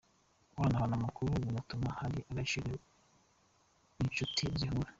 Guhanahana amakuru binatuma hari agaciro inshuti ziguha.